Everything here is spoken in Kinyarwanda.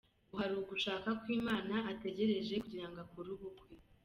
Ngo hari ugushaka kw’Imana ategereje kugirango akore ubukwe